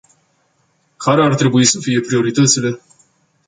Care ar trebui să fie prioritățile?